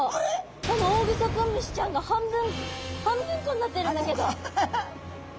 このオオグソクムシちゃんが半分半分こになってるんだけど。